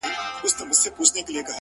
زما د سترگو له جوړښته قدم اخله’